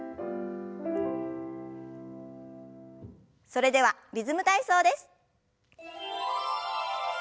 それでは「リズム体操」です。